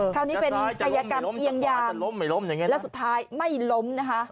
คราวนี้เป็นกายกรรมเอียงยางและสุดท้ายไม่ล้มนะฮะ